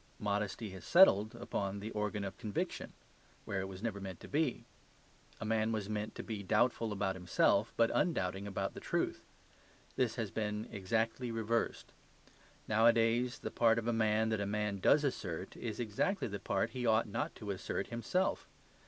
Modesty has settled upon the organ of conviction; where it was never meant to be. A man was meant to be doubtful about himself, but undoubting about the truth; this has been exactly reversed. Nowadays the part of a man that a man does assert is exactly the part he ought not to assert himself.